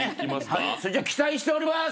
それじゃ期待しております！